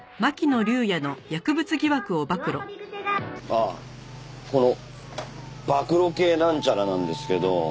ああこの暴露系なんちゃらなんですけど。